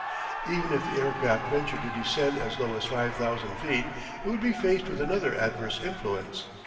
Even if the aircraft ventured to descend as low as 5,000 feet it would be faced with another adverse influence.